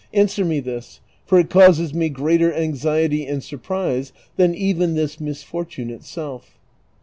Answer me this; for it causes me greater anxiety and surprise than even this misfortune itself."